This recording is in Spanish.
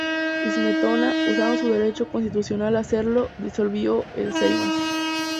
Smetona, usando su derecho constitucional a hacerlo, disolvió el Seimas.